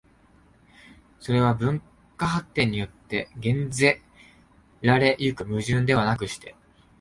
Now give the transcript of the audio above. それは文化発展によって減ぜられ行く矛盾ではなくして、